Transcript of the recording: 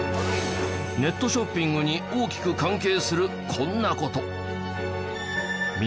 ネットショッピングに大きく関係するこんな事。